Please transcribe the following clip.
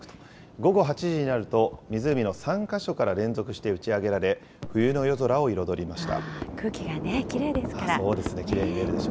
午後８時になると、湖の３か所から連続して打ち上げられ、冬の夜空を彩りました。